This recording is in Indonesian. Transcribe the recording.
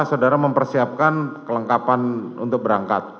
saudara mempersiapkan kelengkapan untuk berangkat